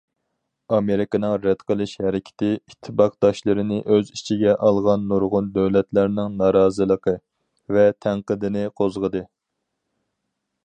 ئامېرىكىنىڭ رەت قىلىش ھەرىكىتى ئىتتىپاقداشلىرىنى ئۆز ئىچىگە ئالغان نۇرغۇن دۆلەتلەرنىڭ نارازىلىقى ۋە تەنقىدىنى قوزغىدى.